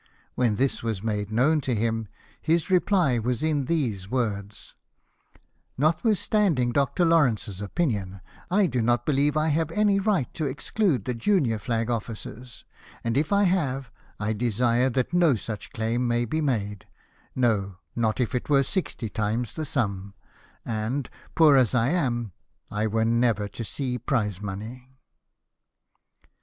When this was made known to him, his reply was in these words :—" Notwithstanding Dr. Lawrence's opinion, I do not beHeve I have any right to exclude the junior flag oflicers ; and if I have, I desire that no such claim may be made ; no, not if it were sixty times the sum, and, poor as I am, I were never to see prize money."